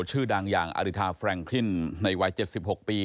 ชื่อดังอย่างอริทาแฟรงกลิ้นในวัยเจ็ดสิบหกปี